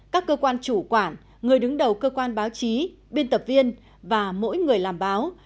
các cơ quan chủ quản người đứng đầu cơ quan báo chí biên tập viên và mỗi người làm báo